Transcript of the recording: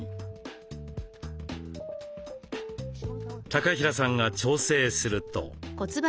高平さんが調整すると。